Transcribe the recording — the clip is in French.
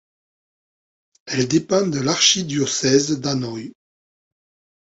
Elle dépend de l'archidiocèse d'Hanoï.